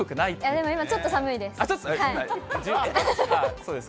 でも、今、ちょっと寒いです。